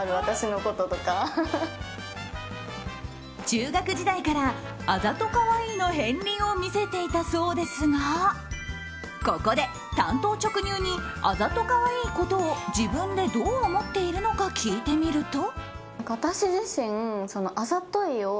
中学時代からあざとカワイイの片鱗を見せていたそうですがここで、単刀直入にあざとカワイイことを自分でどう思っているのか聞いてみると。